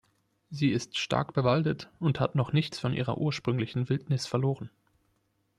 Sie ist stark bewaldet und hat noch nichts von ihrer ursprünglichen Wildnis verloren.